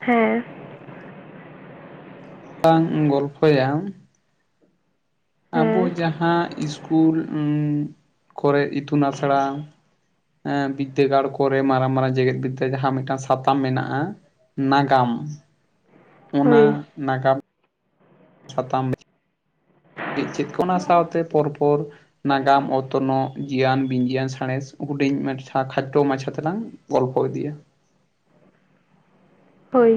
ᱦᱮᱸ᱾ ᱟᱝ ᱜᱚᱞᱯᱷᱚ ᱭᱟ, ᱟᱵᱚ ᱦᱮᱸ ᱡᱟᱦᱟᱸ ᱤᱥᱠᱩᱞ ᱩᱸ ᱠᱚᱨᱮ ᱤᱛᱩᱱ ᱟᱥᱲᱟ ᱮᱸ ᱵᱤᱫᱟᱹᱜᱟᱲ ᱠᱚᱨᱮ ᱢᱟᱨᱟᱝ ᱢᱟᱨᱟᱝ ᱡᱮᱜᱮᱫ ᱵᱤᱫᱟᱹᱜᱟ ᱡᱟᱦᱟᱸ ᱢᱤᱫᱴᱟᱱ ᱥᱟᱛᱟᱢ ᱢᱮᱱᱟᱜᱼᱟ, ᱱᱟᱜᱟᱢ ᱦᱳᱭ ᱚᱱᱟ ᱱᱟᱜᱟᱢ [inaudible] ᱥᱟᱛᱟᱢ ᱪᱮᱫ ᱪᱮᱫ ᱠᱚ ᱚᱱᱟ ᱥᱟᱶᱛᱮ ᱯᱚᱨ ᱯᱚᱨ ᱱᱟᱜᱟᱢ, ᱚᱛᱱᱚᱜ, ᱡᱤᱭᱟᱱ, ᱵᱤᱧᱡᱤᱭᱟᱱ, ᱥᱟᱬᱮᱥ, ᱦᱩᱰᱤᱧ ᱢᱮᱴᱪᱷᱟ ᱠᱷᱟᱴᱭᱚ ᱢᱟᱪᱷᱟ ᱛᱮᱞᱟᱝ ᱜᱚᱞᱯᱷᱚ ᱤᱫᱤᱼᱟ᱾ ᱦᱳᱭ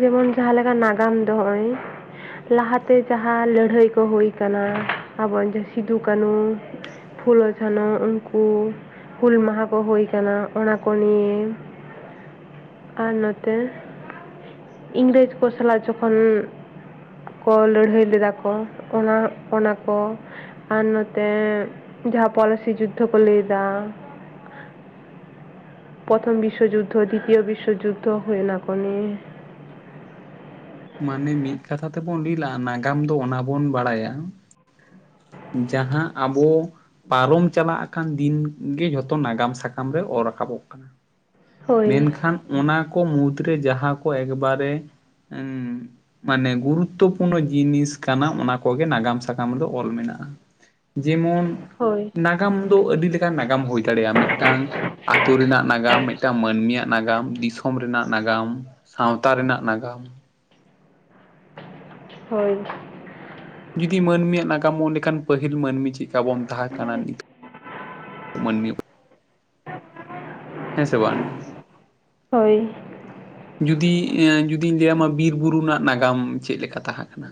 ᱡᱮᱢᱚᱱ ᱡᱟᱦᱟᱸ ᱞᱮᱠᱟ ᱱᱟᱜᱟᱢ ᱫᱚ ᱦᱚᱸᱜ-ᱚᱭ ᱞᱟᱦᱟᱛᱮ ᱡᱟᱦᱟᱸ ᱞᱟᱹᱰᱦᱟᱹᱭ ᱠᱚ ᱦᱩᱭ ᱠᱟᱱᱟ ᱟᱵᱚᱣᱟᱜ ᱡᱚ ᱥᱤᱫᱷᱩ ᱠᱟᱹᱱᱩ ᱯᱷᱩᱞᱳ ᱡᱷᱟᱱᱚ ᱩᱱᱠᱩ ᱦᱩᱞ ᱢᱟᱦᱟ ᱠᱚ ᱦᱩᱭ ᱠᱟᱱᱟ ᱚᱱᱟ ᱠᱚ ᱱᱤᱭᱮ ᱟᱨ ᱱᱚᱛᱮ ᱤᱝᱨᱮᱡᱽ ᱠᱚ ᱥᱟᱞᱟᱜ ᱡᱚᱠᱷᱚᱱ ᱠᱚ ᱞᱟᱹᱲᱦᱟᱹᱭ ᱞᱮᱫᱟ ᱠᱚ ᱚᱱᱟ ᱚᱱᱟ ᱠᱚ ᱟᱨ ᱱᱚᱛᱮ ᱡᱟᱦᱟᱸ ᱯᱚᱞᱟᱥᱤ ᱡᱩᱫᱽᱫᱷᱚ ᱠᱚ ᱞᱟᱹᱭ ᱮᱫᱟ, ᱯᱨᱚᱛᱷᱚᱢ ᱵᱤᱥᱥᱚ ᱡᱩᱫᱽᱫᱷᱚ, ᱫᱤᱛᱤᱭᱚ ᱵᱤᱥᱥᱚ ᱡᱩᱫᱽᱫᱷᱚ ᱦᱳᱭ ᱚᱱᱟ ᱠᱚ ᱱᱤᱭᱮ᱾ ᱢᱟᱱᱮ ᱢᱤᱫ ᱠᱟᱛᱷᱟ ᱛᱮᱵᱚᱱ ᱞᱤ ᱞᱟᱜᱼᱟ ᱱᱟᱜᱟᱢ ᱫᱚ ᱚᱱᱟ ᱵᱚᱱ ᱵᱟᱲᱟᱭᱟ, ᱡᱟᱦᱟᱸ ᱟᱵᱚ ᱯᱟᱨᱚᱢ ᱪᱟᱞᱟᱜ ᱠᱟᱱ ᱫᱤᱱ ᱜᱮ ᱡᱷᱚᱛᱚ ᱱᱟᱜᱟᱢ ᱥᱟᱠᱟᱢ ᱨᱮ ᱚᱨ ᱨᱟᱠᱟᱵᱚᱜ ᱠᱟᱱᱟ᱾ ᱦᱳᱭ ᱢᱮᱱᱠᱷᱟᱱ ᱚᱱᱟ ᱠᱚ ᱢᱩᱫᱽᱨᱮ ᱡᱟᱦᱟᱸ ᱠᱚ ᱮᱠᱵᱟᱨᱮ ᱮᱱ ᱢᱟᱱᱮ ᱜᱩᱨᱩᱛᱚᱣᱳ ᱯᱩᱱᱚ ᱡᱤᱱᱤᱥ ᱠᱟᱱᱟ ᱚᱱᱟ ᱠᱚᱜᱮ ᱱᱟᱸᱜᱟᱢ ᱥᱟ- ᱥᱟᱠᱟᱢ ᱨᱮᱫᱚ ᱚᱞ ᱢᱮᱱᱟᱜᱼᱟ, ᱡᱮᱢᱚᱱ ᱦᱳᱭ ᱱᱟᱸ- ᱜᱟᱢ ᱫᱚ ᱟᱹᱰᱤ ᱞᱮᱠᱟ ᱱᱟᱜᱟᱢ ᱦᱩᱭ ᱫᱟᱲᱮᱭᱟᱜᱼᱟ ᱢᱤᱫᱴᱟᱝ ᱟᱛᱩ ᱨᱮᱱᱟᱜ ᱱᱟᱜᱟᱢ ᱢᱤᱫᱴᱟᱝ ᱢᱟᱹᱱᱢᱤᱭᱟᱜ ᱱᱟᱜᱟᱢ ᱫᱤᱥᱚᱢ ᱨᱮᱱᱟᱜ ᱱᱟᱜᱟᱢ, ᱥᱟᱶᱛᱟ ᱨᱮᱱᱟᱜ ᱱᱟᱜᱟᱢ ᱦᱳᱭ᱾ ᱡᱩᱫᱤ ᱢᱟᱹᱱᱢᱤᱭᱟᱜ ᱱᱟᱜᱟᱢ ᱚᱸᱜ ᱞᱮᱠᱷᱟᱱ ᱯᱟᱹᱦᱤᱞ ᱢᱟᱹᱱᱢᱤ ᱪᱮᱜ ᱠᱟ ᱵᱚᱱ ᱛᱟᱦᱮᱸ ᱠᱟᱱᱟ ᱱᱤᱛ- ᱢᱟᱱᱢᱤᱭᱚᱸᱜ ᱦᱮᱸ ᱥᱮ ᱵᱟᱝ ᱦᱳᱭ᱾ ᱡᱩᱫᱤ ᱮᱸ ᱡᱩᱫᱤᱧ ᱞᱟᱹᱭᱼᱟᱢᱟ ᱵᱤᱨ ᱵᱩᱨᱩ ᱨᱮᱱᱟᱜ ᱱᱟᱜᱟᱢ ᱪᱮᱫ ᱞᱮᱠᱟ ᱛᱟᱦᱮᱸ ᱠᱟᱱᱟ?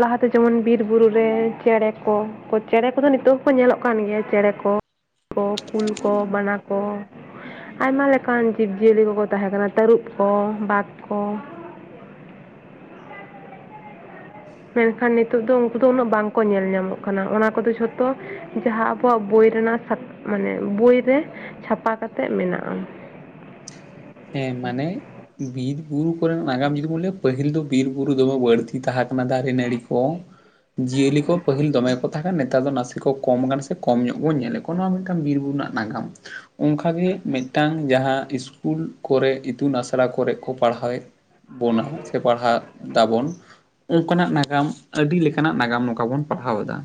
ᱞᱟᱦᱟᱛᱮ ᱡᱮᱢᱚᱱ ᱵᱤᱨ ᱵᱩᱨᱩ ᱨᱮ ᱪᱮᱲᱮ ᱠᱚ, ᱠᱚ ᱪᱮᱲᱮ ᱠᱚᱫᱚ ᱱᱤᱛᱩᱜ ᱦᱚᱸᱠᱚ ᱧᱮᱞᱚᱜ ᱠᱟᱱ ᱜᱮᱭᱟ ᱪᱮᱲᱮ ᱠᱚ, ᱠᱚ, ᱠᱩᱞ ᱠᱚ, ᱵᱟᱱᱟ ᱠᱚ, ᱟᱭᱢᱟ ᱞᱮᱠᱟᱱ ᱡᱤᱵᱽᱼᱡᱤᱭᱟᱹᱞᱤ ᱠᱚᱠᱚ ᱛᱟᱦᱮᱸᱠᱟᱱᱟ ᱛᱟᱹᱨᱩᱵ ᱠᱚ ᱵᱟᱜ ᱠᱚ, ᱢᱮᱱᱠᱷᱟᱱ ᱱᱤᱛᱚᱜ ᱫᱚ ᱩᱱᱠᱩ ᱫᱚ ᱩᱱᱟᱹᱜ ᱵᱟᱝᱠᱚ ᱧᱮᱞ ᱧᱟᱢᱚᱜ ᱠᱟᱱᱟ, ᱚᱱᱟ ᱠᱚᱫᱚ ᱡᱷᱚᱛᱚ ᱡᱟᱦᱟᱸ ᱟᱵᱚᱣᱟᱜ ᱵᱳᱭ ᱨᱮᱱᱟᱜ ᱥᱟᱛᱼᱼ ᱢᱟᱱᱮ, ᱵᱩᱭ ᱨᱮ ᱪᱷᱟᱯᱟ ᱠᱟᱛᱮᱫ ᱢᱮᱱᱟᱜ-ᱟ᱾ ᱦᱮᱸ ᱢᱟᱱᱮᱼᱼ ᱵᱤᱨ ᱵᱩᱨᱩ ᱠᱚᱨᱮᱱᱟᱜ ᱱᱟᱜᱟᱢ ᱡᱩᱫᱤ ᱵᱚᱱ ᱞᱟᱹᱭᱟ, ᱯᱟᱹᱦᱤᱞ ᱫᱚ ᱵᱤᱨ ᱵᱩᱨᱩ ᱫᱚᱢᱮ ᱵᱟᱹᱲᱛᱤ ᱛᱟᱦᱮᱸ ᱠᱟᱱᱟ ᱫᱟᱨᱮ ᱱᱟᱹᱲᱤ ᱠᱚᱻ ᱡᱤᱭᱟᱹᱞᱤ ᱠᱚ ᱯᱟᱹᱦᱤᱞ ᱫᱚᱢᱮ ᱠᱚ ᱛᱟᱸᱦᱮᱠᱟᱱ ᱱᱮᱛᱟᱨ ᱫᱚ ᱱᱟᱥᱮ ᱠᱚ ᱠᱚᱢ ᱜᱟᱱ ᱥᱮ ᱠᱚᱢ ᱧᱚᱜ ᱵᱚᱱ ᱧᱮᱞᱮᱫ ᱠᱚᱣᱟ, ᱱᱚᱣᱟ ᱢᱤᱫᱴᱟᱝ ᱵᱤᱨ ᱵᱩᱨᱩ ᱨᱮᱱᱟᱜ ᱱᱟᱜᱟᱢ᱾ ᱚᱱᱠᱟᱜᱮ ᱢᱤᱫᱴᱟᱝ ᱡᱟᱦᱟᱸ ᱤᱥᱼᱼ ᱠᱩᱞ ᱠᱚᱨᱮ ᱤᱛᱩᱱ ᱟᱥᱲᱟ ᱠᱚᱨᱮ ᱠᱚ ᱯᱟᱲᱦᱟᱣᱮᱫ ᱵᱚᱱᱟ ᱥᱮ ᱯᱟᱲᱦᱟᱜ ᱫᱟᱵᱚᱱ, ᱚᱱᱠᱟᱱᱟᱜ ᱱᱟᱜᱟᱢ ᱟᱹᱰᱤ ᱞᱮᱠᱟᱱᱟᱜ ᱱᱟᱜᱟᱢ ᱱᱚᱝᱠᱟ ᱵᱚᱱ ᱯᱟᱲᱦᱟᱣ ᱮᱫᱟ᱾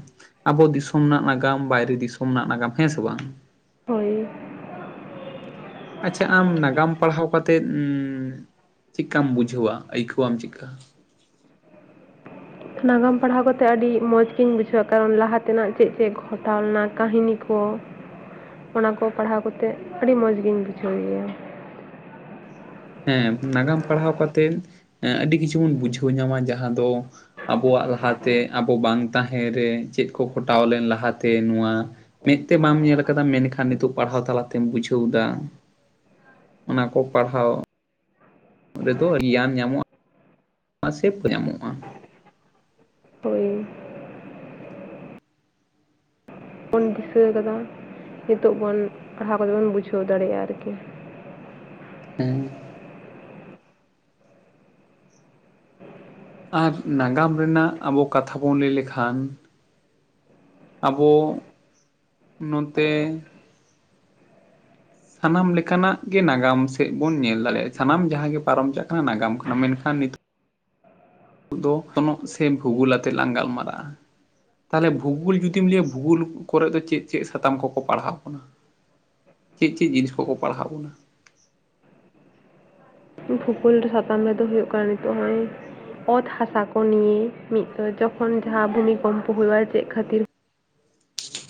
ᱟᱵᱚ ᱫᱤᱥᱚᱢ ᱨᱮᱱᱟᱜ ᱱᱟᱜᱟᱢ ᱵᱟᱭᱨᱮ ᱫᱤᱥᱚᱢ ᱨᱮᱱᱟᱜ ᱱᱟᱜᱟᱢ ᱦᱮᱸ ᱥᱮ ᱵᱟᱝ? ᱦᱳᱭ᱾ ᱟᱪᱪᱷᱟ ᱟᱢ ᱱᱟᱜᱟᱢ ᱯᱟᱲᱦᱟᱣ ᱠᱟᱛᱮᱜᱩᱹᱻ ᱪᱮᱫᱠᱟᱢ ᱵᱩᱡᱷᱟᱹᱣᱟ ᱟᱹᱭᱠᱟᱹᱣᱟᱢ ᱪᱮᱫᱠᱟ? ᱱᱟᱜᱟᱢ ᱯᱟᱲᱦᱟᱣ ᱠᱟᱛᱮᱜ ᱟᱹᱰᱤ ᱢᱚᱸᱡᱽ ᱜᱤᱧ ᱵᱩᱡᱷᱟᱹᱣᱟ, ᱠᱟᱨᱚᱱ ᱞᱟᱦᱟ ᱛᱮᱱᱟᱜ ᱪᱮᱫ ᱪᱮᱫ ᱜᱷᱚᱴᱟᱣ ᱞᱮᱱᱟ ᱠᱟᱹᱦᱱᱤ ᱠᱚ ᱚᱱᱟ ᱠᱚ ᱯᱟᱲᱦᱟᱣ ᱠᱟᱛᱮ ᱟᱹᱰᱤ ᱢᱚᱡᱽ ᱜᱤᱧ ᱵᱩᱡᱷᱟᱹᱣ ᱜᱮᱭᱟ᱾ ᱦᱮᱸ ᱱᱟᱜᱟᱢ ᱯᱟᱲᱦᱟᱣ ᱠᱟᱛᱮᱫ ᱟᱹᱰᱤ ᱠᱤᱪᱷᱩ ᱵᱚᱱ ᱵᱩᱡᱷᱟᱹᱣ ᱧᱟᱢᱟ ᱡᱟᱦᱟᱸ ᱫᱚᱻ ᱟᱵᱚᱣᱟᱜ ᱞᱟᱦᱟᱛᱮ ᱟᱵᱚ ᱵᱟᱝ ᱛᱟᱦᱮᱸ ᱨᱮᱻ ᱪᱮᱫ ᱠᱚ ᱜᱚᱴᱟᱣ ᱞᱮᱱ ᱞᱟᱦᱟᱛᱮ ᱱᱚᱣᱟ ᱢᱮᱫ ᱛᱮ ᱵᱟᱢ ᱧᱮᱞ ᱠᱟᱫᱟ ᱢᱮᱱᱠᱷᱟᱱ ᱱᱤᱛᱚᱜ ᱯᱟᱲᱦᱟᱣ ᱛᱟᱞᱟᱛᱮᱢ ᱵᱩᱡᱷᱟᱹᱣ ᱮᱫᱟ᱾ ᱚᱱᱟ ᱠᱚ ᱯᱟᱲᱦᱟᱣ ᱨᱮᱫᱚ ᱜᱮᱭᱟᱱ ᱧᱟᱢᱚᱜ-ᱟ᱾ ᱢᱟᱥᱮᱯ ᱧᱟᱢᱚᱜ-ᱟ᱾ ᱦᱳᱭ᱾ ᱵᱚᱱ ᱫᱤᱥᱟᱹ ᱠᱟᱫᱟ ᱱᱤᱛᱚᱜ ᱵᱚᱱ ᱯᱟᱲᱦᱟᱣ ᱠᱟᱛᱮ ᱵᱚᱱ ᱵᱩᱡᱷᱟᱹᱣ ᱫᱟᱲᱮᱭᱟᱜ-ᱟ ᱟᱨᱠᱤ᱾ ᱦᱩᱸᱻ ᱟᱨ ᱱᱟᱜᱟᱢ ᱨᱮᱱᱟᱜ ᱟᱵᱚ ᱠᱟᱛᱷᱟ ᱵᱚᱱ ᱞᱟᱹᱭ ᱞᱮᱠᱷᱟᱱ, ᱟᱵᱚᱻ ᱱᱚᱛᱮᱻ ᱥᱟᱱᱟᱢ ᱞᱮᱠᱟᱱᱟᱜ ᱜᱮ ᱱᱟᱜᱟᱢ ᱥᱮᱫ ᱵᱚᱱ ᱧᱮᱞ ᱫᱟᱲᱮᱭᱟᱜᱼᱟ, ᱥᱟᱱᱟᱢ ᱡᱟᱦᱟᱸ ᱜᱮ ᱯᱟᱨᱚᱢ ᱪᱟᱜ ᱠᱟᱱᱟ ᱱᱟᱜᱟᱢ ᱠᱟᱱᱟ ᱢᱮᱱᱠᱷᱟᱱ ᱱᱤᱛᱚᱜ ᱱᱤᱛᱚᱜ ᱫᱚ ᱚᱛᱱᱚᱜ ᱥᱮ ᱵᱷᱩᱜᱩᱞ ᱟᱛᱮ ᱞᱟᱝ ᱜᱟᱞᱢᱟᱨᱟᱜ-ᱟ᱾ ᱛᱟᱦᱚᱞᱮ ᱵᱷᱩᱜᱩᱞ ᱡᱩᱫᱤᱢ ᱞᱟᱹᱭᱟ ᱵᱷᱩᱜᱳᱞ ᱠᱚᱨᱮ ᱫᱚ ᱪᱮᱫ ᱪᱮᱫ ᱥᱟᱛᱟᱢ ᱠᱚᱠᱚ ᱯᱟᱲᱦᱟᱣ ᱠᱟᱱᱟ? ᱪᱮᱫ ᱪᱮᱫ ᱡᱤᱱᱤᱥ ᱠᱚᱠᱚ ᱯᱟᱲᱦᱟᱣ ᱵᱚᱱᱟ? ᱵᱷᱩᱜᱚᱞ ᱥᱟᱛᱟᱢ ᱨᱮᱫᱚ ᱦᱩᱭᱩᱜ ᱠᱟᱱᱟ ᱱᱤᱛᱚᱜ ᱦᱚᱸᱜ-ᱚᱭ ᱚᱛ ᱦᱟᱥᱟ ᱠᱚ ᱱᱤᱭᱮ ᱢᱤᱫ ᱫᱚ ᱡᱚᱠᱷᱚᱱ ᱡᱟᱦᱟᱸ ᱵᱷᱩᱢᱤᱠᱚᱢᱯᱚ ᱦᱩᱭᱩᱜ-ᱟ ᱪᱮᱫ ᱠᱷᱟᱹᱛᱤᱨ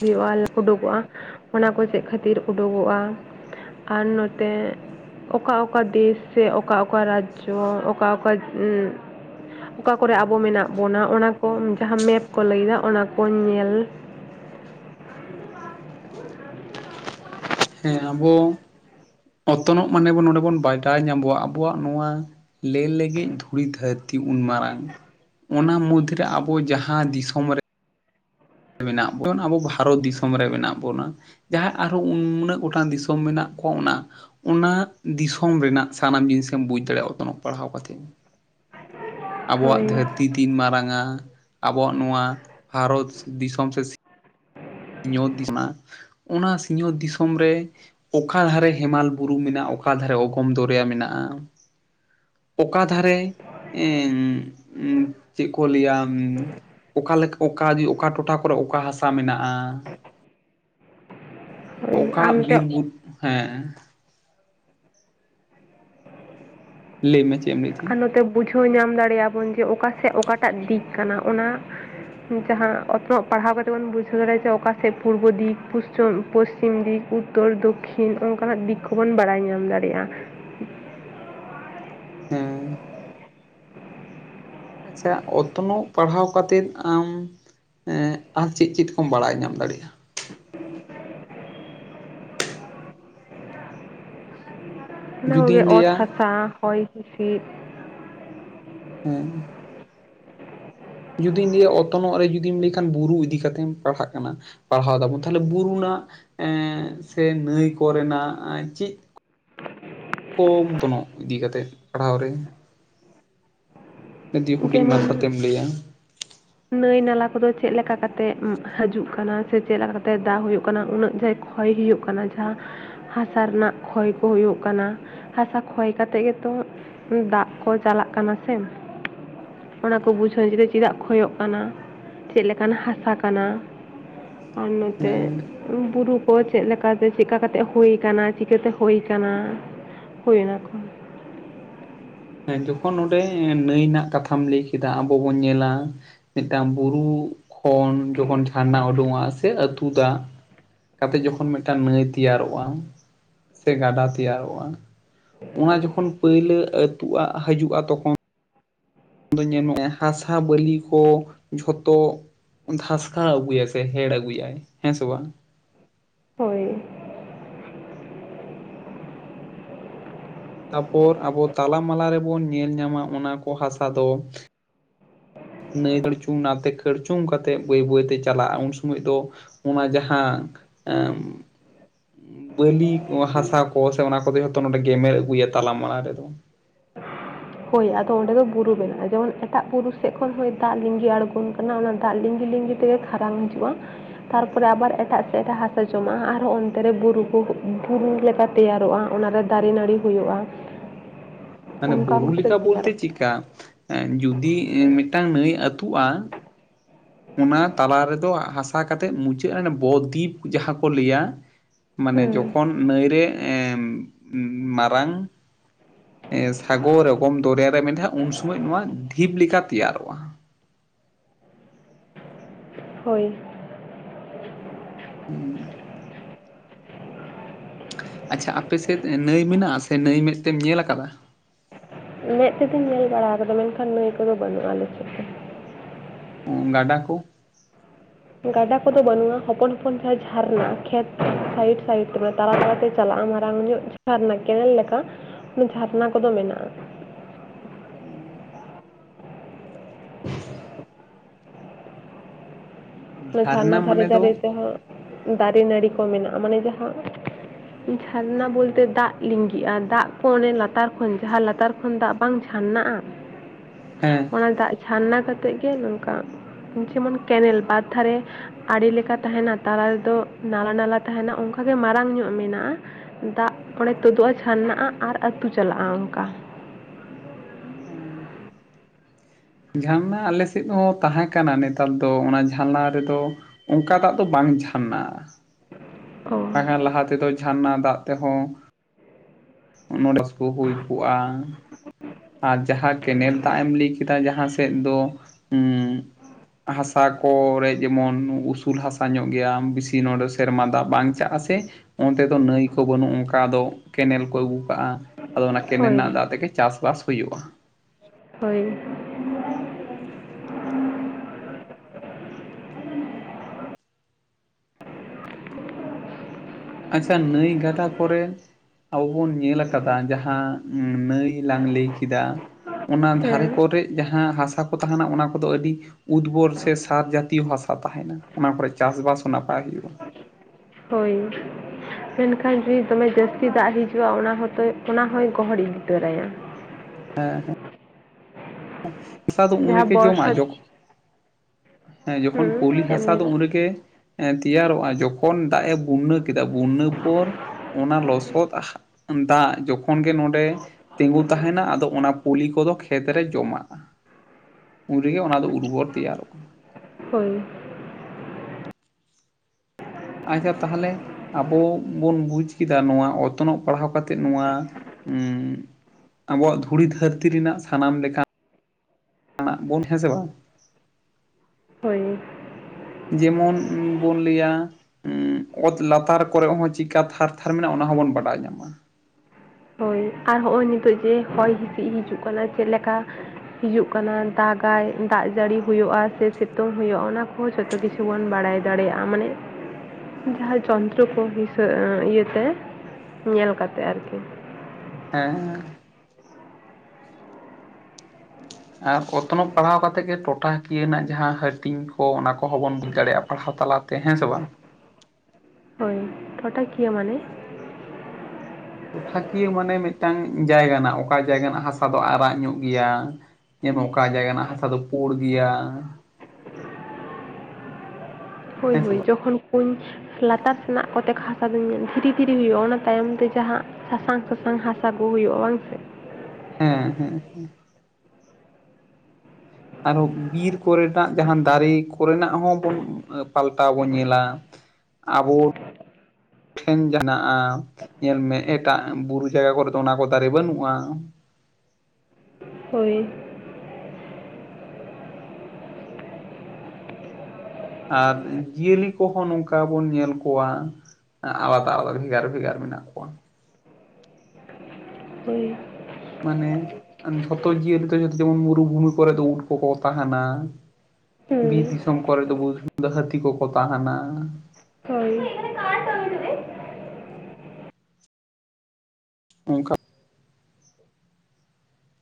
ᱦᱩᱭᱩᱜ-ᱟ, ᱩᱰᱩᱠᱚᱜ-ᱟ ᱚᱱᱟ ᱠᱚ ᱪᱮᱫ ᱠᱷᱟᱹᱛᱤᱨ ᱩᱰᱩᱠᱚᱜᱼᱟ? ᱟᱨ ᱱᱚᱛᱮᱻ ᱚᱠᱟ ᱚᱠᱟ ᱫᱮᱥ ᱥᱮ, ᱚᱠᱟ ᱚᱠᱟ ᱨᱟᱡᱽᱡᱚ, ᱚᱠᱟ ᱚᱠᱟ ᱩᱸ-ᱜ ᱚᱠᱟ ᱠᱚᱨᱮ ᱟᱵᱚ ᱢᱮᱱᱟᱜ ᱵᱚᱱᱟ ᱚᱱᱟ ᱠᱚ ᱡᱟᱦᱟᱸ ᱢᱮᱯ ᱠᱚ ᱞᱟᱹᱭᱫᱟ ᱚᱱᱟ ᱠᱚ ᱧᱮᱞ ᱦᱮᱸ ᱟᱵᱚᱻ ᱚᱛᱚᱱᱚᱜ ᱢᱟᱱᱮ ᱱᱚᱰᱮ ᱵᱚᱱ ᱵᱟᱰᱟᱭ ᱧᱟᱢᱵᱚᱜ-ᱟ ᱟᱵᱚᱣᱟᱜ ᱱᱚᱣᱟ ᱞᱮ ᱞᱮᱜᱮᱡ ᱫᱷᱩᱲᱤ ᱫᱷᱟᱹᱨᱛᱤ ᱩᱱ ᱢᱟᱨᱟᱝ ᱚᱱᱟ ᱢᱩᱚᱫᱽᱫᱨᱮ ᱟᱵᱚ ᱡᱟᱦᱟᱸ ᱫᱤᱥᱚᱢ ᱨᱮ ᱢᱮᱱᱟᱜ ᱵᱚᱱ, ᱟᱵᱚ ᱵᱷᱟᱨᱚᱛ ᱫᱤᱥᱚᱢ ᱨᱮ ᱢᱮᱱᱟᱜ ᱵᱚᱱᱟ ᱡᱟᱦᱟᱸᱭ ᱟᱨᱦᱚᱸ ᱩᱱᱟᱹᱜ ᱜᱚᱴᱟᱝ ᱫᱤᱥᱚᱢ ᱢᱮᱱᱟᱜ ᱠᱚᱣᱟ ᱚᱱᱟ ᱚᱱᱟ ᱫᱤᱥᱚᱢ ᱨᱮᱱᱟᱜ ᱥᱟᱱᱟᱢ ᱡᱤᱱᱤᱥᱮᱢ ᱵᱩᱡᱽ ᱫᱟᱲᱮᱭᱟᱜ ᱚᱛᱱᱚᱜ ᱯᱟᱲᱦᱟᱣ ᱠᱟᱛᱮᱫ᱾ ᱟᱵᱚᱣᱟᱜ ᱦᱳᱭ ᱫᱷᱟᱹᱨᱛᱤ ᱛᱤᱱ ᱢᱟᱨᱟᱝᱟ? ᱟᱵᱚᱣᱟᱜ ᱱᱚᱣᱟ ᱵᱷᱟᱨᱚᱛ ᱫᱤᱥᱚᱢ ᱥᱮ ᱥᱤᱧᱚᱛ ᱚᱱᱟ ᱥᱤᱧᱚᱛ ᱫᱤᱥᱚᱢ ᱨᱮ ᱚᱠᱟ ᱫᱷᱟᱨᱮ ᱦᱮᱢᱟᱞ ᱵᱩᱨᱩ ᱢᱮᱱᱟᱜ-ᱟ ᱚᱠᱟ ᱫᱷᱟᱨᱮ ᱚᱜᱚᱢ ᱫᱚᱨᱭᱟ ᱢᱮᱱᱟᱜ-ᱟ ᱚᱠᱟ ᱫᱷᱟᱨᱮ ᱮᱸ ᱪᱮᱫ ᱠᱚ ᱞᱟᱹᱭᱟ ᱚᱠᱟ ᱞᱮᱠᱟ ᱚᱠᱟ ᱚᱠᱟ ᱴᱚᱴᱷᱟ ᱠᱚᱨᱮ ᱚᱠᱟ ᱦᱟᱥᱟ ᱢᱮᱱᱟᱜ-ᱟ᱾ ᱦᱳᱭ ᱚᱠᱟ ᱟᱨ ᱱᱚᱛᱮ ᱵᱤᱨᱵᱩᱨᱩ ᱦᱮᱸ ᱞᱟᱹᱭ ᱢᱮ ᱪᱮᱫ ᱮᱢ ᱞᱟᱹᱭᱮᱫ ᱟᱨ ᱛᱟᱦᱮᱸᱫ ᱱᱚᱛᱮ ᱵᱩᱡᱷᱟᱹᱣ ᱧᱟᱢ ᱫᱟᱲᱮᱭ ᱟᱵᱚᱱ ᱡᱮ ᱚᱠᱟ ᱥᱮᱫ ᱚᱠᱟᱴᱟᱜ ᱫᱤᱠ ᱠᱟᱱᱟ, ᱚᱱᱟ ᱡᱟᱦᱟᱸ ᱚᱛᱱᱚᱜ ᱯᱟᱲᱦᱟᱣ ᱠᱟᱛᱮ ᱵᱚᱱ ᱵᱩᱡᱷᱟᱹᱣ ᱫᱟᱲᱮᱭᱟᱜ-ᱟ ᱡᱮ ᱚᱠᱟ ᱥᱮᱫ ᱯᱩᱨᱵᱚ ᱫᱤᱠ ᱯᱚᱥᱪᱤᱢ ᱯᱚᱥᱪᱤᱢ ᱫᱤᱠ ᱩᱛᱚᱨ ᱫᱚᱠᱷᱤᱱ ᱚᱱᱠᱟᱱᱟᱜ ᱫᱤᱠ ᱠᱚᱵᱚᱱ ᱵᱟᱲᱟᱭ ᱧᱟᱢ ᱫᱟᱲᱮᱭᱟᱜ-ᱟ ᱾ ᱦᱮᱸ ᱾ ᱟᱪᱪᱷᱟ ᱚᱛᱱᱚᱜ ᱯᱟᱲᱦᱟᱣ ᱠᱟᱛᱮᱫ ᱟᱢ ᱮᱸ ᱟᱨ ᱪᱮᱫ ᱪᱮᱫ ᱠᱚᱢ ᱵᱟᱲᱟᱭ ᱧᱟᱢ ᱫᱟᱲᱮᱭᱟᱜ-ᱟ᱾ ᱚᱱᱟ ᱠᱚᱜᱮ ᱡᱩᱫᱤᱧ ᱚᱛ ᱞᱟᱹᱭᱟ ᱦᱟᱥᱟ ᱦᱚᱭ ᱦᱸᱤᱥᱤᱫ ᱦᱮᱸ ᱾ ᱡᱩᱫᱤᱧ ᱞᱟᱹᱭᱟ ᱚᱛᱚᱱᱚᱜ ᱨᱮ ᱡᱩᱫᱤᱢ ᱞᱟᱹᱭ ᱠᱷᱟᱱ ᱵᱩᱨᱩ ᱤᱫᱤ ᱠᱟᱛᱮᱢ ᱯᱟᱲᱦᱟᱜ ᱠᱟᱱᱟ᱾ ᱯᱟᱲᱦᱟᱣᱟ ᱫᱟᱵᱚᱱ ᱛᱟᱦᱚᱞᱮ ᱵᱩᱨᱩᱱᱟ ᱮᱸ ᱥᱮ ᱱᱟᱹᱭ ᱠᱚᱨᱮᱱᱟᱜ ᱪᱮᱫ ᱠᱚ ᱫᱚᱱᱚᱜ ᱤᱫᱤ ᱠᱟᱛᱮᱫ ᱯᱟᱲᱦᱟᱣ ᱨᱮ ᱟᱰᱤ ᱦᱩᱰᱤᱧ ᱡᱮᱢᱚᱱ ᱢᱟᱪᱷᱟ ᱛᱮᱢ ᱞᱟᱹᱭᱟ ᱾ ᱱᱟᱹᱭ ᱱᱟᱞᱟ ᱠᱚᱫᱚ ᱪᱮᱜ ᱞᱮᱠᱟ ᱠᱟᱛᱮᱜ ᱦᱟᱹᱡᱩᱜ ᱠᱟᱱᱟ ᱥᱮ ᱪᱮᱜ ᱞᱮᱠᱟ ᱠᱟᱛᱮᱜ ᱫᱟᱜ ᱦᱩᱭᱩᱜ ᱠᱟᱱᱟ ᱩᱱᱟᱹᱜ ᱡᱟᱦᱟᱹᱭ ᱦᱚᱭ ᱦᱩᱭᱩᱜ ᱠᱟᱱᱟ ᱡᱟᱦᱟᱸ ᱦᱟᱥᱟ ᱨᱮᱱᱟᱜ ᱠᱷᱚᱭ ᱠᱚ ᱦᱳᱭᱳᱜ ᱠᱟᱱᱟ ᱦᱟᱥᱟ ᱠᱷᱚᱭ ᱠᱟᱛᱮᱜ ᱜᱮᱛᱚ ᱫᱟᱜ ᱠᱚ ᱪᱟᱞᱟᱜ ᱠᱟᱱᱟ ᱥᱮ ᱚᱱᱟ ᱠᱚ [inaudible] ᱪᱮᱫᱟᱜ ᱠᱷᱚᱭᱚᱜ ᱠᱟᱱᱟ ᱪᱮᱫ ᱞᱮᱠᱟᱱ ᱦᱟᱥᱟ ᱠᱟᱱᱟ ᱟᱨ ᱱᱚᱛᱮ ᱦᱮᱸ ᱵᱩᱨᱩ ᱠᱚ ᱪᱮᱫ ᱞᱮᱠᱟᱛᱮ ᱪᱮᱜᱠᱟ ᱠᱟᱛᱮᱜ ᱦᱩᱭ ᱠᱟᱱᱟ ᱪᱤᱠᱟᱹᱛᱮ ᱦᱩᱭ ᱠᱟᱱᱟ ᱦᱩᱭ ᱚᱱᱟᱠᱚ ᱾ ᱮᱸ ᱡᱚᱠᱷᱚᱱ ᱱᱚᱸᱰᱮ ᱱᱟᱹᱭ ᱨᱮᱱᱟᱜ ᱠᱟᱛᱷᱟᱢ ᱞᱟᱹᱭ ᱠᱮᱫᱟ ᱟᱵᱚ ᱵᱚᱱ ᱧᱮᱞᱟ ᱢᱤᱫᱴᱟᱝ ᱵᱩᱨᱩ ᱠᱷᱚᱱ ᱡᱚᱠᱷᱚᱱ ᱡᱷᱟᱨᱱᱟ ᱩᱰᱩᱜᱚᱸᱜ-ᱟ ᱥᱮ ᱟᱹᱛᱩᱫᱟᱜ ᱠᱟᱛᱮᱜ ᱡᱚᱠᱷᱚᱱ ᱢᱤᱫᱴᱟᱝ ᱱᱟᱹᱭ ᱛᱮᱭᱟᱨᱚᱜ-ᱟ ᱥᱮ ᱜᱟᱰᱟ ᱛᱮᱭᱟᱨᱚᱜ-ᱟ ᱚᱱᱟ ᱡᱚᱠᱷᱚᱱ ᱯᱟᱹᱭᱞᱟᱹ ᱟᱹᱛᱩᱜ-ᱟ ᱦᱟᱹᱡᱩᱜ-ᱟ ᱛᱚᱠᱷᱚᱱ ᱟᱫᱚ ᱧᱮᱞ ᱢᱮ ᱦᱟᱥᱟ ᱵᱟᱹᱞᱤ ᱠᱚ ᱡᱷᱚᱛᱚ ᱫᱷᱟᱥᱠᱟᱣ ᱟᱹᱜᱩᱭᱟ ᱥᱮ ᱦᱮᱲ ᱟᱹᱜᱩᱭᱟᱭ ᱦᱮᱸ ᱥᱮ ᱵᱟᱝ᱾ ᱦᱳᱭ ᱾ ᱛᱟᱨᱯᱚᱨ ᱟᱵᱚ ᱛᱟᱞᱟ ᱢᱟᱞᱟ ᱨᱮᱵᱚᱱ ᱧᱮᱞ ᱧᱟᱢᱟ ᱚᱱᱟ ᱠᱚ ᱦᱟᱥᱟ ᱫᱚ ᱱᱟᱹᱭ ᱠᱷᱟᱹᱲᱪᱩᱝ ᱱᱟᱛᱮ ᱠᱷᱟᱹᱲᱪᱩᱝ ᱠᱟᱛᱮᱜ ᱵᱟᱹᱭ ᱵᱟᱹᱭᱛᱮ ᱪᱟᱞᱟᱜ-ᱟ ᱩᱱ ᱥᱩᱢᱚᱭ ᱫᱚ ᱚᱱᱟ ᱡᱟᱦᱟᱸ ᱮᱢ ᱵᱟᱹᱞᱤ ᱠᱚ ᱦᱟᱥᱟ ᱠᱚ ᱥᱮ ᱚᱱᱟ ᱠᱚᱫᱚ ᱡᱷᱚᱛᱚ ᱱᱚᱰᱮ ᱜᱮᱢᱮᱨ ᱟᱹᱜᱩᱭᱟ ᱛᱟᱞᱟᱢᱟᱞᱟ ᱨᱮᱫᱚ ᱾ ᱦᱳᱭ ᱟᱫᱚ ᱚᱸᱰᱮ ᱫᱚ ᱵᱩᱨᱩ ᱵᱮᱱᱟᱜ-ᱟ ᱡᱮᱢᱚᱱ ᱮᱴᱟᱜ ᱵᱩᱨᱩ ᱥᱮᱜ ᱠᱷᱚᱱ ᱦᱚᱸᱭ ᱫᱟᱜ ᱞᱤᱸᱜᱤ ᱟᱬᱜᱚᱱ ᱠᱟᱱᱟ ᱚᱱᱟ ᱫᱟᱜ ᱞᱤᱸᱜᱤ ᱞᱤᱸᱜᱤ ᱛᱮᱜᱮ ᱠᱷᱟᱨᱟᱝ ᱦᱤᱡᱩᱜ-ᱟ᱾ ᱛᱟᱨᱯᱚᱨᱮ ᱟᱵᱟᱨ ᱮᱴᱟᱜ ᱥᱮᱜ ᱨᱮ ᱦᱟᱥᱟ ᱡᱚᱢᱟᱜ-ᱟ ᱟᱨᱦᱚᱸ ᱚᱱᱛᱮ ᱨᱮ ᱵᱩᱨᱩ ᱠᱚ ᱵᱩᱨᱩ ᱞᱮᱠᱟᱛᱮ ᱛᱮᱭᱟᱨᱚᱜ-ᱟ ᱚᱱᱟᱨᱮ ᱫᱟᱨᱮ ᱱᱟᱹᱲᱤ ᱦᱩᱭᱩᱜ-ᱟ᱾ [unintelligible] ᱢᱟᱱᱮ ᱵᱩᱨᱩ ᱞᱮᱠᱟ ᱵᱚᱞᱛᱮ ᱪᱤᱠᱠᱟ ᱟᱸ ᱡᱩᱫᱤ ᱢᱤᱫᱴᱟᱝ ᱱᱟᱹᱭ ᱟᱹᱛᱩᱜ-ᱟ ᱚᱱᱟ ᱛᱟᱞᱟ ᱨᱮᱫᱚ ᱦᱟᱥᱟ ᱠᱟᱛᱮᱜ ᱢᱩᱪᱟᱹᱜᱮᱱ ᱵᱚᱫᱤᱯ ᱡᱟᱦᱟᱸ ᱠᱚ ᱞᱟᱹᱭᱟ᱾ ᱢᱟᱱᱮ ᱡᱚᱠᱷᱚᱱ ᱱᱟᱹᱭᱨᱮ ᱢᱟᱨᱟᱝ ᱥᱟᱜᱚᱨ ᱚᱜᱚᱢ ᱫᱚᱨᱭᱟ ᱨᱮ ᱢᱮᱱ ᱫᱟ ᱦᱟᱸᱜ ᱩᱱ ᱥᱚᱢᱚᱡ ᱱᱚᱣᱟ ᱰᱷᱤᱯ ᱞᱮᱠᱟ ᱛᱮᱭᱟᱨᱚᱜᱼᱟ ᱾ ᱦᱳᱭ ᱾ ᱦᱩᱸ ᱾ ᱟᱪᱪᱷᱟ ᱟᱯᱮ ᱥᱮᱫ ᱱᱟᱹᱭ ᱢᱮᱱᱟᱜᱼᱟ ᱥᱮ ᱱᱟᱹᱭ ᱢᱮᱫ ᱛᱮᱢ ᱧᱮᱞ ᱟᱠᱟᱫᱟ? ᱢᱮᱫ ᱛᱮᱫᱚᱧ ᱧᱮᱞ ᱵᱟᱲᱟ ᱟᱠᱟᱫᱟ ᱢᱮᱱᱠᱷᱟᱱ ᱱᱟᱹᱭ ᱠᱚᱫᱚ ᱵᱟᱹᱱᱩᱜᱼᱟ ᱟᱞᱮ ᱥᱮᱫ ᱫᱚ ᱾ ᱚ ᱜᱟᱰᱟ ᱠᱚ? ᱜᱟᱰᱟ ᱠᱚᱫᱚ ᱵᱟᱹᱱᱩᱜᱼᱟ ᱦᱚᱯᱚᱱ ᱦᱚᱯᱚᱱ ᱡᱟᱦᱟᱸ ᱡᱷᱟᱨᱱᱟ ᱠᱷᱮᱛ ᱥᱟᱭᱤᱰ ᱥᱟᱭᱤᱰ ᱨᱮ ᱛᱟᱞᱟ ᱛᱟᱞᱟ ᱛᱮ ᱪᱟᱞᱟᱜᱼᱟ ᱢᱟᱨᱟᱝ ᱧᱚᱜ ᱡᱷᱟᱨᱱᱟ ᱠᱮᱱᱮᱞ ᱞᱮᱠᱟ ᱚᱱᱟ ᱡᱷᱟᱨᱱᱟ ᱠᱚᱫᱚ ᱢᱮᱱᱟᱜᱼᱟ ᱾ ᱚᱱᱟ ᱡᱷᱟᱨᱱᱟ ᱫᱷᱟᱨᱮ ᱢᱟᱱᱮ ᱫᱚ ᱫᱷᱟᱨᱮ ᱛᱮᱦᱚᱸ ᱫᱟᱨᱮ ᱱᱟᱹᱲᱤ ᱠᱚ ᱢᱮᱱᱟᱜᱼᱟ, ᱢᱟᱱᱮ ᱡᱟᱦᱟᱸ ᱡᱷᱟᱨᱱᱟ ᱵᱚᱞᱛᱮ ᱫᱟᱜ ᱞᱤᱸᱜᱤᱜᱼᱟ ᱫᱟᱜ ᱠᱚ ᱚᱱᱮ ᱞᱟᱛᱟᱨ ᱠᱷᱚᱱ ᱡᱟᱦᱟᱸ ᱞᱟᱛᱟᱨ ᱠᱷᱚᱱ ᱫᱟᱜ ᱵᱟᱝ ᱡᱷᱟᱨᱱᱟᱜᱼᱟ? [unintelligible] ᱚᱱᱟ ᱫᱟᱜ ᱡᱷᱟᱨᱱᱟ ᱠᱟᱛᱮᱜ ᱜᱮ ᱱᱚᱝᱠᱟ, ᱡᱮᱢᱚᱱ ᱠᱮᱱᱮᱞ ᱵᱟᱨ ᱫᱷᱟᱨᱮ ᱟᱹᱰᱮ ᱞᱮᱠᱟ ᱛᱟᱦᱮᱱᱟ ᱛᱟᱞᱟ ᱨᱮᱫᱚ ᱱᱟᱞᱟ ᱱᱟᱞᱟ ᱛᱟᱦᱮᱱᱟ ᱚᱱᱠᱟ ᱜᱮ ᱢᱟᱨᱟᱝ ᱧᱚᱜ ᱢᱮᱱᱟᱜᱼᱟ ᱾ ᱫᱟᱜ ᱚᱸᱰᱮ ᱛᱳᱫᱳᱜᱼᱟ ᱡᱷᱟᱨᱱᱟᱜᱼᱟ ᱟᱨ ᱟᱹᱛᱩ ᱪᱟᱞᱟᱜᱼᱟ ᱚᱱᱠᱟ ᱾ ᱩᱸ ᱾ ᱡᱷᱟᱨᱱᱟ ᱟᱞᱮ ᱥᱮᱫ ᱦᱚᱸ ᱛᱟᱦᱮᱸ ᱠᱟᱱᱟ ᱱᱮᱛᱟᱨ ᱫᱚ ᱚᱱᱟ ᱡᱷᱟᱨᱱᱟ ᱨᱮᱫᱚ ᱚᱝᱠᱟ ᱫᱟᱜ ᱫᱚ ᱵᱟᱝ ᱡᱷᱟᱨᱱᱟᱼᱟ ᱾ ᱚ ᱾ [unintelligible] ᱛᱟᱦᱮ ᱞᱟᱦᱟ ᱛᱮᱫᱚ ᱡᱷᱟᱨᱱᱟ ᱫᱟᱜ ᱛᱮᱦᱚᱸ [unintelligible] ᱠᱚ ᱦᱩᱭ ᱠᱚᱜᱼᱟ ᱾ ᱟᱨ ᱡᱟᱦᱟᱸ ᱠᱮᱱᱮᱞ ᱫᱟᱜ ᱮᱢ ᱞᱟᱹᱭ ᱠᱮᱫᱟ ᱡᱟᱦᱟᱸ ᱥᱮᱫ ᱫᱚ ᱩᱸ ᱦᱟᱥᱟ ᱠᱚᱨᱮ ᱡᱮᱢᱚᱱ ᱩᱥᱩᱞ ᱦᱟᱥᱟ ᱧᱚᱜ ᱜᱮᱭᱟ, ᱵᱮᱥᱤ ᱱᱚᱸᱰᱮ ᱥᱮᱨᱢᱟ ᱫᱟᱜ ᱵᱟᱝ ᱪᱟᱜᱼᱟ ᱥᱮ ᱚᱱᱛᱮ ᱫᱚ ᱱᱟᱹᱭ ᱠᱚ ᱵᱟᱹᱱᱩᱜ ᱚᱱᱠᱟ ᱫᱚ ᱠᱮᱱᱮᱞ ᱠᱚ ᱟᱹᱜᱩ ᱠᱟᱜᱼᱟ ᱟᱫᱚ ᱚᱱᱟ ᱠᱮᱱᱮᱞ ᱦᱳᱭ ᱨᱮᱱᱟᱜ ᱫᱟᱜ ᱛᱮᱜᱮ ᱪᱟ ᱥᱵᱟᱥ ᱦᱩᱭᱩᱜᱼᱟ ᱾ ᱦᱳᱭ ᱾ ᱦᱮᱸ ᱾ ᱟᱪᱪᱷᱟ ᱱᱟᱹᱭ ᱜᱟᱰᱟ ᱠᱚᱨᱮ ᱟᱵᱚ ᱵᱚᱱ ᱧᱮᱞ ᱠᱟᱫᱟ ᱡᱟᱦᱟᱸ ᱱᱟᱹᱭ ᱞᱟᱝ ᱞᱟᱹᱭ ᱠᱮᱫᱟ ᱚᱱᱟ ᱫᱷᱟᱨᱮ ᱦᱮᱸ ᱠᱚᱨᱮ ᱡᱟᱦᱟᱸ ᱦᱟᱥᱟ ᱠᱚ ᱛᱟᱦᱮᱱᱟ ᱚᱱᱟ ᱠᱚᱫᱚ ᱟᱹᱰᱤ ᱩᱫᱽᱵᱚᱨ ᱥᱮ ᱥᱟᱨ ᱡᱟᱛᱤᱭᱚ ᱦᱟᱥᱟ ᱛᱟᱦᱮᱱᱟ ᱚᱱᱟ ᱠᱚᱨᱮ ᱪᱟᱥᱵᱟᱥ ᱦᱚᱸ ᱱᱟᱯᱟᱭ ᱦᱩᱭᱩᱜᱼᱟ ᱾ ᱦᱳᱭ, ᱢᱮᱱᱠᱷᱟᱱ ᱡᱩᱫᱤ ᱫᱚᱢᱮ ᱡᱟᱹᱥᱛᱤ ᱫᱟᱜ ᱦᱤ ᱡᱩᱜᱼᱟ ᱚᱱᱟ ᱦᱚᱛᱚᱭ ᱚᱱᱟ ᱦᱚᱭ ᱜᱚᱦᱚᱲ ᱤᱫᱤ ᱛᱚᱹᱨᱟᱭᱟ ᱾ ᱦᱮᱸ ᱦᱮᱸ ᱾ ᱦᱟᱥᱟ ᱫᱚ ᱩᱱ ᱡᱟᱦᱟᱸ ᱨᱮᱜᱮ ᱡᱚᱢᱟ ᱵᱚᱨᱥᱟ ᱡᱚᱠ ᱦᱮᱸ ᱡᱚᱠᱷᱚᱱ ᱦᱩᱸ ᱯᱚᱞᱤ ᱪᱮᱫ ᱮᱢ ᱦᱟᱥᱟ ᱫᱚ ᱞᱟᱹᱭᱫᱟ ᱩᱱ ᱨᱮᱜᱮ ᱮᱸ ᱛᱮᱭᱟᱨᱚᱜᱼᱟ ᱡᱚᱠᱷᱚᱱ ᱫᱟᱜ-ᱮ ᱵᱩᱱᱱᱟᱹ ᱠᱮᱫᱟ ᱵᱩᱱᱱᱟᱹ ᱯᱚᱨ ᱚᱱᱟ ᱞᱚᱥᱚᱫ ᱦᱟ ᱫᱟᱜ ᱡᱚᱠᱷᱚᱱ ᱜᱮ ᱱᱚᱸᱰᱮ ᱛᱤᱸᱜᱩ ᱛᱟᱦᱮᱱᱟ ᱟᱫᱚ ᱚᱱᱟ ᱯᱩᱞᱤ ᱠᱚᱫᱚ ᱠᱷᱮᱛ ᱨᱮ ᱡᱚᱢᱟᱜᱼᱟ, ᱩᱱ ᱨᱮᱜᱮ ᱚᱱᱟ ᱫᱚ ᱩᱨᱵᱚᱨ ᱛᱮᱭᱟᱨᱚᱜᱼᱟ ᱾ ᱦᱳᱭ ᱾ ᱟᱪᱪᱷᱟ ᱛᱟᱦᱚᱞᱮ ᱟᱵᱚ ᱵᱚᱱ ᱵᱩᱡᱽ ᱠᱮᱫᱟ ᱱᱚᱣᱟ ᱚᱛᱱᱚᱜ ᱯᱟᱲᱦᱟᱣ ᱠᱟᱛᱮᱫ ᱱᱚᱣᱟ ᱩᱸ ᱟᱵᱚᱣᱟᱜ ᱫᱷᱩᱲᱤ ᱫᱷᱟᱹᱨᱛᱤ ᱨᱮᱱᱟᱜ ᱥᱟᱱᱟᱢ ᱞᱮᱠᱟᱱ [unintelligible] ᱵᱚᱱ ᱦᱮᱸ ᱥᱮ ᱵᱟᱝ? ᱦᱳᱭ ᱾ ᱡᱮᱢᱚᱱ ᱵᱚᱱ ᱞᱟᱹᱭᱟ ᱦᱩ ᱚᱛ ᱞᱟᱛᱟᱨ ᱠᱚᱨᱮᱜ ᱦᱚᱸ, ᱪᱤᱠᱟ ᱛᱷᱟᱨ ᱛᱷᱟᱨ ᱢᱮᱱᱟᱜᱼᱟ, ᱚᱱᱟ ᱦᱚᱸᱵᱚᱱ ᱵᱟᱰᱟᱭ ᱧᱟᱢᱟ᱾ ᱦᱳᱭ ᱟᱨ ᱦᱚᱸᱜᱼᱚᱭ ᱱᱤᱛᱚᱜ ᱡᱮ, ᱦᱚᱭ ᱦᱤᱸᱥᱤᱫ ᱦᱤᱡᱩᱜ ᱠᱟᱱᱟ ᱪᱮᱫ ᱞᱮᱠᱟ᱾ ᱦᱤᱡᱩᱜ ᱠᱟᱱᱟ, ᱫᱟᱜᱟᱭ ᱫᱟᱜ ᱡᱟᱹᱲᱤ ᱦᱳᱭᱳᱜᱼᱟ, ᱥᱮ ᱥᱤᱛᱩᱝ ᱦᱳᱭᱳᱜ ᱚᱱᱟ ᱠᱚ᱾ ᱡᱚᱛᱚ ᱠᱤᱪᱷᱩ ᱵᱚᱱ ᱵᱟᱲᱟᱭ ᱫᱟᱲᱮᱭᱟᱜᱼᱟ, ᱢᱟᱱᱮ ᱡᱟᱦᱟᱸ ᱡᱚᱱᱛᱨᱚ ᱠᱚ ᱦᱤᱥᱟᱹ, ᱤᱭᱟᱹᱛᱮ ᱧᱮᱞ ᱠᱟᱛᱮ ᱟᱨᱠᱤ᱾ ᱮᱦᱸ, ᱟᱨ ᱚᱛᱱᱚᱜ ᱯᱟᱲᱦᱟᱣ ᱠᱟᱛᱮᱫ ᱜᱮ, ᱴᱚᱴᱷᱟ ᱠᱤᱭᱟᱹ ᱨᱮᱱᱟᱜ ᱡᱟᱦᱟᱸ ᱦᱟᱹᱴᱤᱧ ᱠᱚ, ᱚᱱᱟ ᱠᱚᱦᱚᱸ ᱵᱚᱱ ᱵᱩᱡᱽ ᱫᱟᱲᱮᱭᱟᱜᱼᱟ, ᱯᱟᱲᱦᱟᱣ ᱛᱟᱞᱟ ᱛᱮ, ᱦᱮᱸ ᱥᱮ ᱵᱟᱝ᱾ ᱦᱳᱭ, ᱴᱚᱴᱷᱟ ᱠᱤᱭᱟᱹ ᱢᱟᱱᱮ ᱴᱚᱴᱷᱟᱠᱤᱭᱟᱹ ᱢᱟᱱᱮ ᱢᱤᱫᱴᱟᱝ ᱡᱟᱭᱜᱟ ᱱᱟᱜ, ᱚᱠᱟ ᱡᱟᱭᱜᱟ ᱨᱮᱱᱟᱜ ᱦᱟᱥᱟ ᱫᱚ ᱟᱨᱟᱜ ᱧᱚᱜ ᱜᱮᱭᱟ᱾ ᱡᱮᱢᱚᱱ ᱚᱠᱟ, ᱡᱟᱭᱜᱟ ᱨᱮᱱᱟᱜ ᱦᱟᱥᱟ ᱫᱚ ᱯᱩᱲ ᱜᱮᱭᱟ᱾ ᱦᱳᱭ, ᱦᱮᱸ ᱥᱮ ᱦᱳᱭ, ᱵᱟᱝ ᱡᱚᱠᱷᱚᱱ ᱠᱩᱧ ᱞᱟᱛᱟᱨ ᱥᱮᱱᱟᱜ ᱠᱚᱛᱮ ᱦᱟᱥᱟ, ᱫᱚᱩᱧ ᱫᱷᱤᱨᱤ ᱫᱷᱤᱨᱤ ᱦᱩᱭᱩᱜᱼᱟ ᱚᱱᱟ, ᱛᱟᱭᱚᱢᱛᱮ ᱡᱟᱦᱟᱸ ᱥᱟᱥᱟᱝ ᱥᱟᱥᱟᱝ ᱦᱟᱥᱟ ᱠᱚ ᱦᱩᱭᱩᱜᱼᱟ, ᱵᱟᱝ ᱥᱮ᱾ ᱦᱮᱸ-ᱦᱮᱸ-ᱦᱮᱸ᱾ ᱟᱨᱚᱸ ᱵᱤᱨ ᱠᱚᱨᱮᱱᱟᱜ ᱡᱟᱦᱟᱸ ᱫᱟᱨᱮ, ᱠᱚᱨᱮᱱᱟᱜ ᱦᱚᱸᱵᱚᱱ ᱯᱟᱞᱴᱟᱣ ᱵᱚᱱ ᱧᱮᱞᱟ᱾ ᱟᱵᱚ ᱴᱷᱮᱱ ᱡᱟᱱᱟᱜ-ᱟ᱾ ᱧᱮᱞ ᱢᱮ ᱮᱴᱟᱜ, ᱵᱩᱨᱩ ᱡᱟᱭᱜᱟ ᱠᱚᱨᱮ ᱫᱚ, ᱚᱱᱟ ᱠᱚ ᱫᱟᱨᱮ ᱵᱟᱹᱱᱩᱜᱼᱟ᱾ ᱦᱳᱭ, ᱟᱨ ᱡᱤᱭᱟᱹᱞᱤ ᱠᱚᱦᱚᱸ, ᱱᱚᱝᱠᱟ ᱵᱚᱱ ᱧᱮᱞ ᱠᱚᱣᱟ᱾ ᱟᱞᱟᱫᱟ-ᱟᱞᱟᱫᱟ ᱜᱮ, ᱵᱷᱮᱜᱜᱟᱨ- ᱵᱷᱜᱟᱨ ᱢᱮᱱᱟᱜ ᱠᱚᱣᱟ᱾ ᱦᱳᱭ, ᱢᱟᱱᱮ ᱡᱷᱚᱛᱚ ᱡᱤᱭᱟᱹᱞᱤ ᱫᱚ, ᱡᱮᱢᱚᱱ ᱢᱩᱨᱩᱵᱷᱩᱢᱤ ᱠᱚᱨᱮ ᱫᱚ, ᱩᱴ ᱠᱚᱠᱚ ᱛᱟᱦᱮᱱᱟ᱾ ᱵᱤᱨ ᱫᱤᱥᱚᱢ ᱠᱚᱨᱮ ᱫᱚ, ᱵᱚᱦᱩᱛ ᱦᱟᱹᱛᱤ ᱠᱚᱠᱚ ᱛᱟᱦᱮᱱᱟ᱾ ᱦᱚᱭ, ᱚᱝᱠᱟ ᱼᱼ